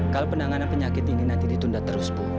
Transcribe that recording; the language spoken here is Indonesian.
kalau penanganan penyakit ini nanti ditunda terus bu